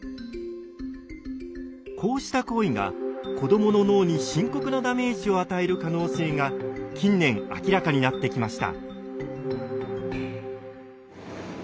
こうした行為が子どもの脳に深刻なダメージを与える可能性が近年明らかになってきました。